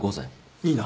いいな。